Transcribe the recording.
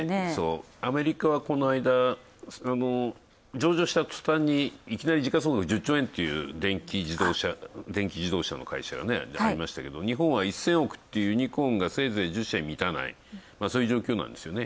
アメリカは、この間、上場したとたんにいきなり時価総額１０兆円っていう電気自動車の会社がありましたけど日本は１０００億円っていうユニコーンがせいぜい１０社に満たないというそういう状況なんですよね。